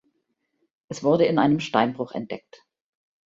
Es wurde in einem Steinbruch entdeckt.